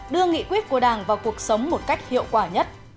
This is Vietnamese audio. đưa nghị quyết của đảng vào cuộc sống một cách hiệu quả nhất